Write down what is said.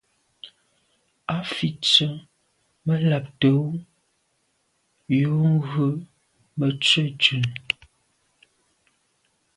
A fi tsə. Mə lὰbtə̌ Wʉ̌ yò ghò Mə tswə ntʉ̀n.